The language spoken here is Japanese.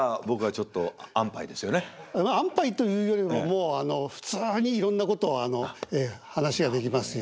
安パイというよりももう普通にいろんなことを話ができますよ。